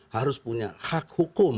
harus punya hak hukum